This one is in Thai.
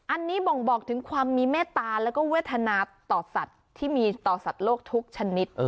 อันนี้บ่งบอกถึงความมีเมตตาแล้วก็เวทนาต่อสัตว์ที่มีต่อสัตว์โลกทุกชนิด